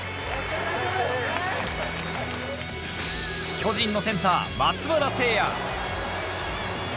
巨人のセンター・松原聖弥。